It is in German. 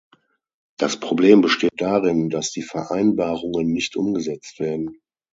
Das Problem besteht darin, dass die Vereinbarungen nicht umgesetzt werden.